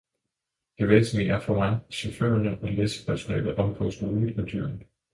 Det væsentlige er for mig, at chaufførerne og læssepersonalet omgås roligt med dyrene.